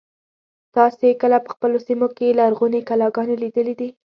تاسې کله په خپلو سیمو کې لرغونې کلاګانې لیدلي دي.